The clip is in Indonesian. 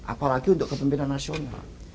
apalagi untuk kepimpinan nasional